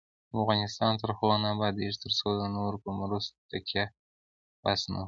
افغانستان تر هغو نه ابادیږي، ترڅو د نورو په مرستو تکیه بس نکړو.